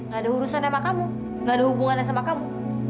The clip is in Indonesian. gak ada urusan sama kamu gak ada hubungannya sama kamu